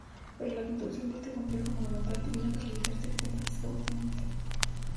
Para la construcción de este complejo monumental tuvieron que realizarse extensas excavaciones.